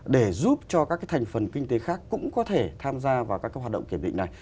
để giúp cho các thành phần kinh tế khác cũng có thể tham gia vào các hoạt động kiểm định này